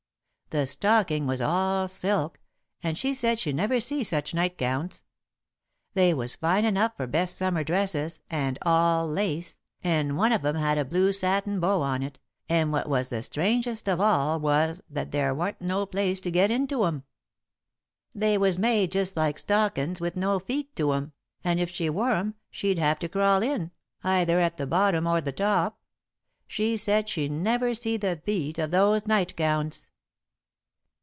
The stocking was all silk, and she said she never see such nightgowns. They was fine enough for best summer dresses, and all lace, and one of 'em had a blue satin bow on it, and what was strangest of all was that there wa'n't no place to get into 'em. They was made just like stockin's with no feet to 'em, and if she wore 'em, she'd have to crawl in, either at the bottom or the top. She said she never see the beat of those nightgowns."